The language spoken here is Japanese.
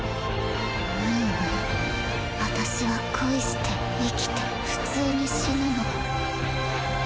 ううん私は恋して生きて普通に死ぬの。